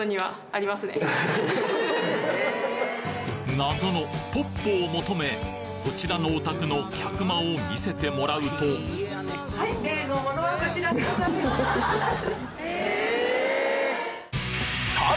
謎のぽっぽを求めこちらのお宅の客間を見せてもらうと・え！？